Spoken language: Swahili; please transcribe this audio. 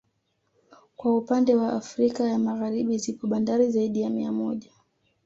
Kwa upannde wa Afrika ya Magharibi zipo bandari zaidi ya mia moja